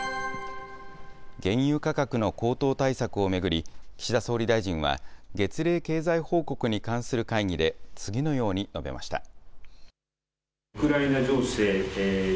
原油価格の高騰対策を巡り、岸田総理大臣は月例経済報告に関する会議で、次のように述べました。